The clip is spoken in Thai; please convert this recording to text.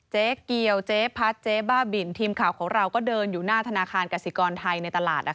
เจ๊เกียวเจ๊พัดเจ๊บ้าบินทีมข่าวของเราก็เดินอยู่หน้าธนาคารกสิกรไทยในตลาด